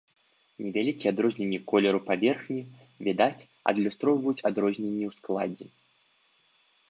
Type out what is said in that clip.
Невялікія адрозненні колеру паверхні, відаць, адлюстроўваюць адрозненні ў складзе.